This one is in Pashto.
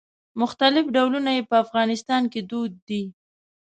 مختلف ډولونه یې په افغانستان کې دود دي.